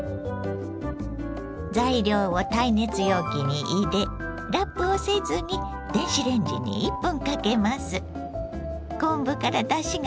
材料を耐熱容器に入れラップをせずに電子レンジに１分かけます。